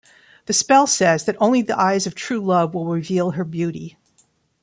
The spell says that only the eyes of true love will reveal her beauty.